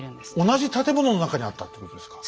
同じ建物の中にあったということですか？